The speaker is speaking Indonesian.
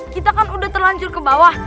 kita kan udah terlanjur ke bawah